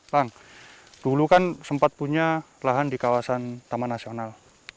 bang dulu kan sempat punya lahan di kawasan taman nasional